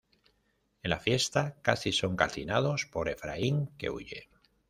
En la fiesta casi son calcinados por Efraín, que huye.